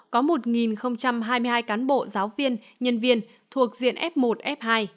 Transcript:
có một hai mươi hai cán bộ giáo viên nhân viên thuộc diện f một f hai